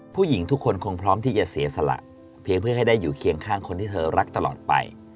ผู้หญิงทุกคนคงพร้อมที่จะเสียสละเพียงเพื่อให้ได้อยู่เคียงข้างคนที่เธอรักตลอดไป